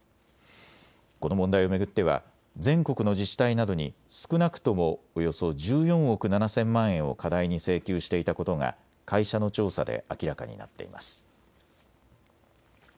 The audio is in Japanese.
この問題を巡っては全国の自治体などに少なくともおよそ１４億７０００万円を過大に請求していたことが会社の調査で明らかになっています。